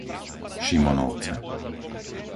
Šimonovce